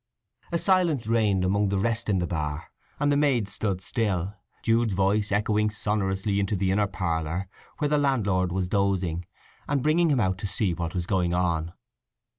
A silence reigned among the rest in the bar, and the maid stood still, Jude's voice echoing sonorously into the inner parlour, where the landlord was dozing, and bringing him out to see what was going on.